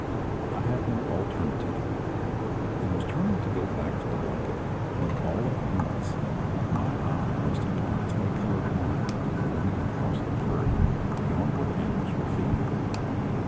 I had no alternative, and was turning to go back for the blanket, when, all at once, my eye rested upon a clay coloured line running across the prairie beyond where the animals were feeding.